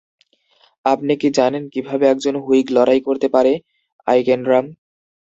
আপনি কি জানেন কিভাবে একজন হুইগ লড়াই করতে পারে, আইকেন্ড্রাম?